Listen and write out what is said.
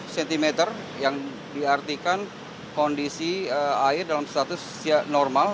seratus cm yang diartikan kondisi air dalam status normal